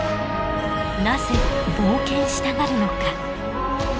なぜ冒険したがるのか。